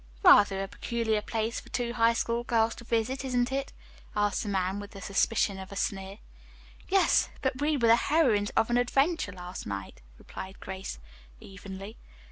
"Rather a peculiar place for two High School girls to visit, isn't it!" asked the man with a suspicion of a sneer. "Yes, but we were the heroines in an adventure last night," replied Grace evenly.